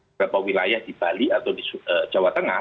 berapa wilayah di bali atau di jawa tengah